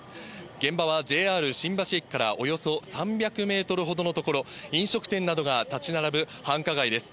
現場はＪＲ新橋駅からおよそ３００メートルほどの所、飲食店などが建ち並ぶ繁華街です。